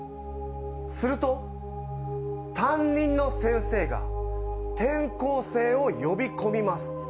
すると、担任の先生が転校生を呼び込みます。